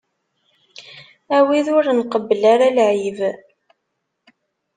A wid ur nqebbel ara lɛib.